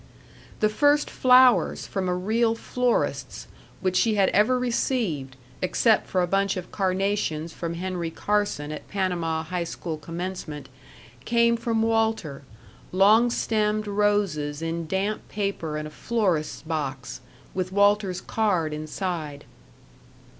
The first flowers from a real florist's which she had ever received, except for a bunch of carnations from Henry Carson at Panama high school commencement, came from Walter long stemmed roses in damp paper and a florist's box, with Walter's card inside.